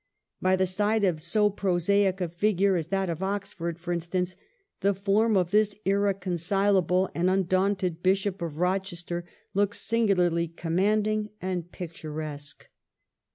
By the side of so prosaic a figure as that of Oxford, for instance, the form of this irreconcilable and undaunted Bishop of Eochester looks singularly commanding and picturesque.